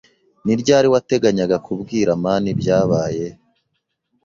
Ni ryari wateganyaga kubwira amani ibyabaye?